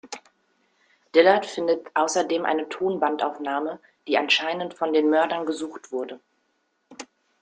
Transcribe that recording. Dillard findet außerdem eine Tonbandaufnahme, die anscheinend von den Mördern gesucht wurde.